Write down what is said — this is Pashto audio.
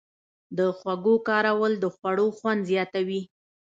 د خوږو کارول د خوړو خوند زیاتوي.